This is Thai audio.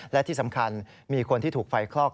และที่สำคัญมีคนที่ถูกไฟคลอก